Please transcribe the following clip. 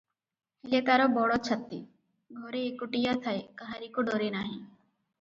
ହେଲେ ତାର ବଡ଼ ଛାତି, ଘରେ ଏକୁଟିଆ ଥାଏ, କାହାରିକୁ ଡରେ ନାହିଁ ।